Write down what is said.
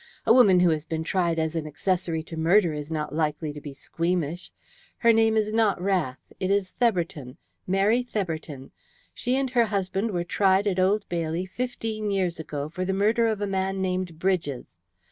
"A woman who has been tried as an accessory to murder is not likely to be squeamish. Her name is not Rath. It is Theberton Mary Theberton. She and her husband were tried at Old Bailey fifteen years ago for the murder of a man named Bridges.